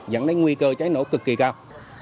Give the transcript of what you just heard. dẫn đến nguy cơ cháy nổ cực kỳ cao